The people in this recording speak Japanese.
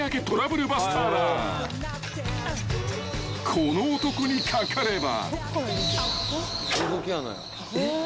［この男にかかれば］